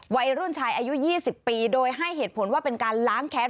วัยรุ่นชายอายุ๒๐ปีโดยให้เหตุผลว่าเป็นการล้างแค้น